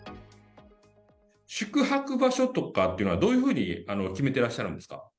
宿泊場所とかっていうのは、どういうふうに決めていらっしゃるんですか。